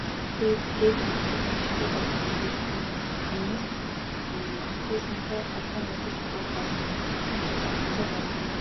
Гэхдээ Дээд Монголчуудын шашингүй болох үндсийг зөвхөн коммунизм, марксизмтай холбон үзэж бас болохгүй юм.